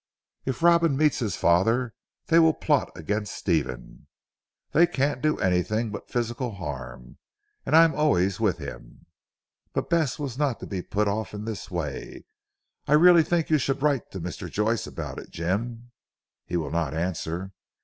"If Robin meets his father they will plot against Stephen." "They can't do anything but physical harm, and I am always with him." But Bess was not to be put off in this way. "I really think you should write to Mr. Joyce about it Jim." "He will not answer."